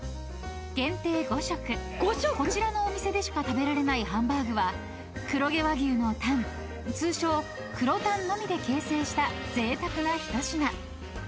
［限定５食こちらのお店でしか食べられないハンバーグは黒毛和牛のタン通称黒タンのみで形成したぜいたくな一品］